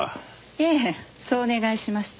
ええそうお願いしました。